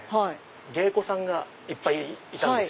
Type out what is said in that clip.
芸妓さんがいっぱいいたんです